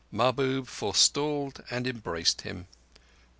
Mahbub forestalled and embraced him.